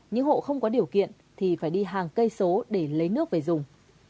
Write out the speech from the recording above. những hộ không có điều kiện thì phải đi hàng cây số để lấy nước về dùng